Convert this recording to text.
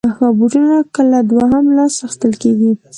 بوټونه کله دوهم لاس اخېستل کېږي.